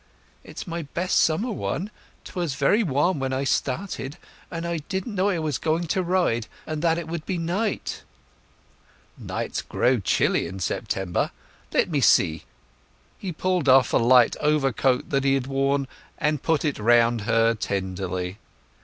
"It's my best summer one. 'Twas very warm when I started, and I didn't know I was going to ride, and that it would be night." "Nights grow chilly in September. Let me see." He pulled off a light overcoat that he had worn, and put it round her tenderly.